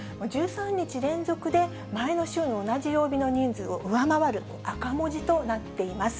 １３日連続で、前の週の同じ曜日の人数を上回る赤文字となっています。